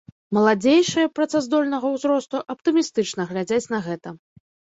Маладзейшыя, працаздольнага ўзросту, аптымістычна глядзяць на гэта.